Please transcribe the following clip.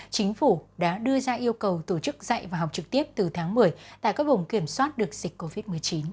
chính phủ đã đưa ra yêu cầu tổ chức dạy và học trực tiếp từ tháng một mươi tại các vùng kiểm soát được dịch covid một mươi chín